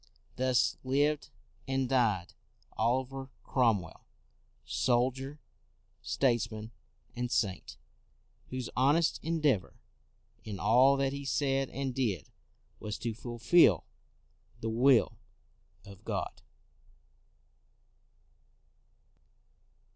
r Thus lived and died Oliver Cromwell, soldier, statesman, and saint, whose honest endeavor in all that he said and did was to fulfil the will of God.